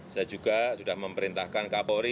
saya juga sudah memerintahkan kapolri